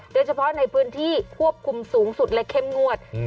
โดยเฉพาะในพื้นที่ควบคุมสูงสุดและเข้มงวด